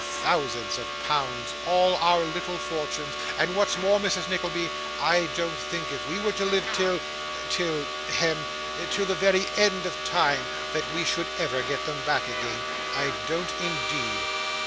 thousands of pounds, all our little fortunes, and what's more, Mrs. Nickleby, I don't think, if we were to live till till hem till the very end of time, that we should ever get them back again. I don't indeed.